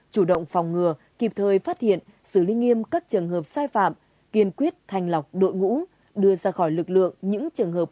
chủ động phòng ngừa kịp thời phát hiện xử lý nghiêm các trường hợp sai phạm kiên quyết thanh lọc đội ngũ đưa ra khỏi lực lượng những trường hợp